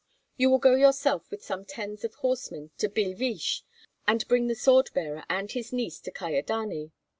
You will go yourself with some tens of horsemen to Billeviche, and bring the sword bearer and his niece to Kyedani.